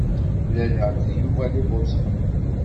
Mlaleɣ-d Yuba deg Boston.